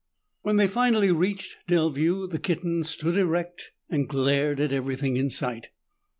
When they finally reached Delview, the kitten stood erect and glared at everything in sight.